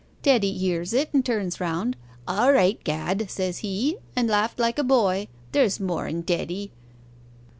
Teddy hears it, and turns round: "All right, Gad!" says he, and laughed like a boy. There's more in Teddy.